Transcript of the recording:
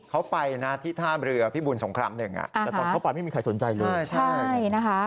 เขาไปนะที่ท่าเรือพิบูลสงครามหนึ่งแต่ตอนเข้าไปไม่มีใครสนใจเลยใช่นะคะ